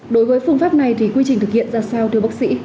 đối với phương pháp này thì quy trình thực hiện ra sao thưa bác sĩ